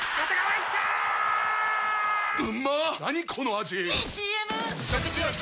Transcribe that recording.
⁉いいＣＭ！！